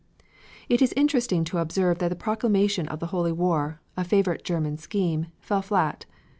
It is interesting to observe that the proclamation of the holy war, a favorite German scheme, fell flat.